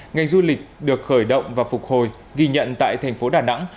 ngành du lịch được khởi động và phục hồi ghi nhận tại thành phố đà nẵng